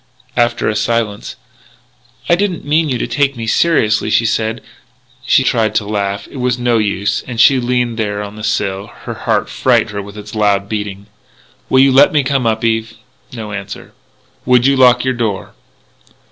After a silence: "I didn't mean you to take me seriously," she said. She tried to laugh. It was no use. And, as she leaned there on the sill, her heart frightened her with its loud beating. "Will you let me come up, Eve?" No answer. "Would you lock your door?"